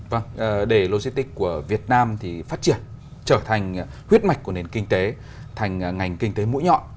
vâng để logistics của việt nam thì phát triển trở thành huyết mạch của nền kinh tế thành ngành kinh tế mũi nhọn